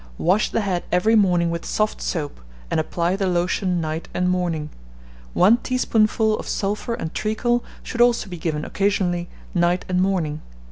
Wash the head every morning with soft soap, and apply the lotion night and morning. One teaspoonful of sulphur and treacle should also be given occasionally night and morning.